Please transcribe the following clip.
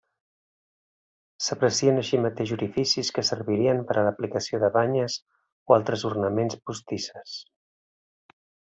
S'aprecien així mateix orificis que servirien per a l'aplicació de banyes o altres ornaments postisses.